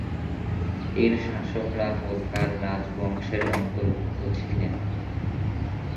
এর শাসকরা হোলকার রাজবংশের অন্তর্ভুক্ত ছিলেন।